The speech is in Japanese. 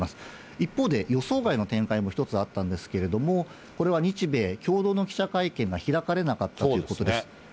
一方で、予想外の展開も一つあったんですけれども、これは日米共同の記者会見が開かれなかったということです。